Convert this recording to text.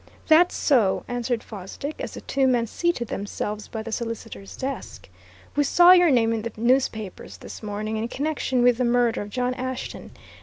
"That's so," answered Fosdick as the two men seated themselves by the solicitor's desk. "We saw your name in the newspapers this morning in connection with the murder of John Ashton.